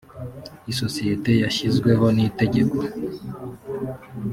isosiyete yashyizweho n itegeko